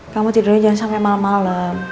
kamu tidurnya jangan sampai malam malam